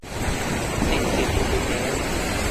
สี่สิบมิลลิลิตร